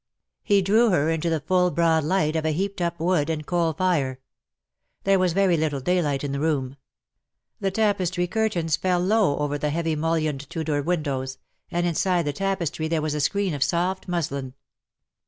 He drew her into the full broad light of a hcaped up wood and coal fire. There was very little day light in the room. The tapestry curtains fell low over the heavily muUioned Tudor windows, and inside the tapestry there was a screen of soft muslin.